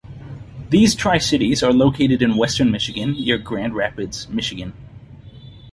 These tri-cities are located in Western Michigan, near Grand Rapids, Michigan.